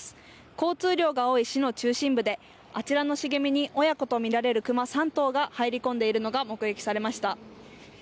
交通量が多い市の中心部であちらの茂みに親子と見られる熊３頭が入り込んでいるのが目撃されました。